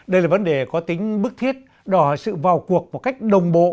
đây là vấn đề có tính bức thiết đòi hỏi sự vào cuộc một cách đồng bộ